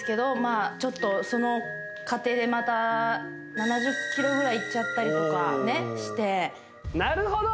あちょっとその過程でまた７０ｋｇぐらいいっちゃったりとかしてなるほど！